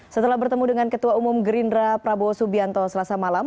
setelah bertemu dengan ketua umum gerindra prabowo subianto selasa malam